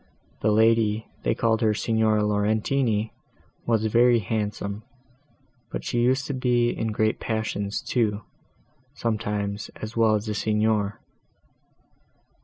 The lady—they called her Signora Laurentini, was very handsome, but she used to be in great passions, too, sometimes, as well as the Signor.